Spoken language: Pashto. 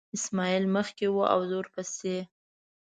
اسماعیل مخکې و او زه ورپسې.